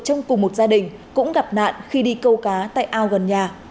trong cùng một gia đình cũng gặp nạn khi đi câu cá tại ao gần nhà